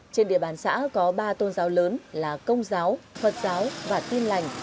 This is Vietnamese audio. trên địa bàn xã có ba tôn giáo lớn là công giáo phật giáo và tin lành